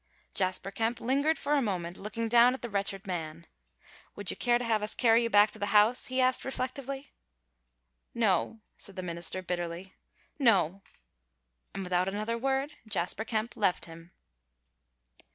Jasper Kemp lingered for a moment, looking down at the wretched man. "Would you care to have us carry you back to the house?" he asked, reflectively. "No!" said the minister, bitterly. "No!" And without another word Jasper Kemp left him.